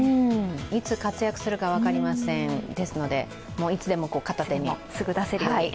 いつ活躍するか分かりません、ですので、いつでも片手に、すぐ出せるように